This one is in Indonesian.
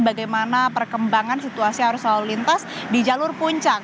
bagaimana perkembangan situasi arus lalu lintas di jalur puncak